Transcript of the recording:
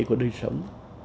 của đời sống